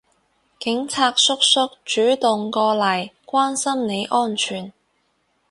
警察叔叔主動過嚟關心你安全